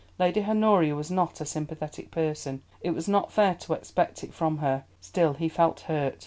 Lady Honoria was not a sympathetic person; it was not fair to expect it from her. Still he felt hurt.